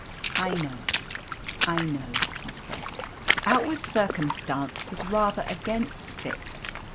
"I know I know," he said. Outward circumstance was rather against Fitz.